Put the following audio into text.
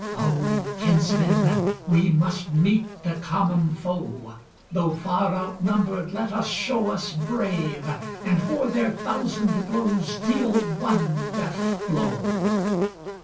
O kinsmen! we must meet the common foe! Though far outnumbered let us show us brave, And for their thousand blows deal one death blow!